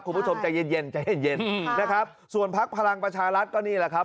คุณผู้ชมจะเย็นนะครับส่วนพักพลังประชารัฐก็นี่แหละครับ